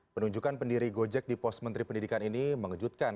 penunjukan pendiri gojek di pos menteri pendidikan ini mengejutkan